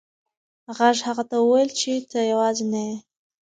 غږ هغه ته وویل چې ته یوازې نه یې.